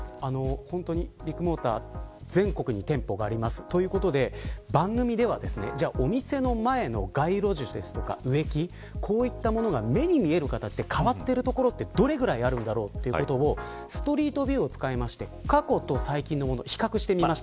ビッグモーター全国に店舗があるということで番組ではお店の前の街路樹や植木こういったものが目にある形で変わってるところはどれぐらいあるのかをストリートビューを使って過去と最近のもの比較してみました。